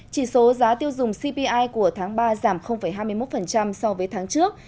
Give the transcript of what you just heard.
chỉ số giá tiêu dùng cpi của tháng ba giảm hai mươi một so với tháng trước